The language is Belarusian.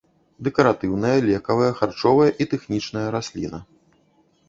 Дэкаратыўная, лекавая, харчовая і тэхнічная расліна.